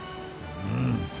うん。